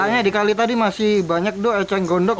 kayaknya dikali tadi masih banyak eceng gondok